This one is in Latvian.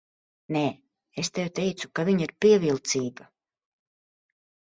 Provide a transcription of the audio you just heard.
Nē, es tev teicu, ka viņa ir pievilcīga.